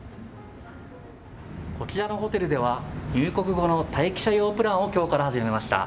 こちらのホテルでは、入国後の待機者用プランをきょうから始めました。